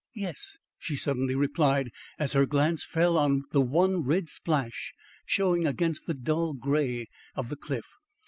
"Yes," she suddenly replied, as her glance fell on the one red splash showing against the dull grey of the cliff.